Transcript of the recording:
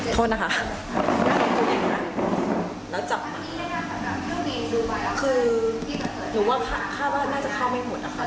โทษนะคะน่าจะเข้าไปหมดนะคะ